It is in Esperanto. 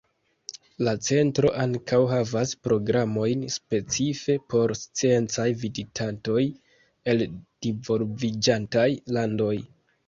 La centro ankaŭ havas programojn specife por sciencaj vizitantoj el divolviĝantaj landoj.